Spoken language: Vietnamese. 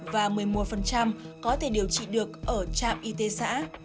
và một mươi một có thể điều trị được ở trang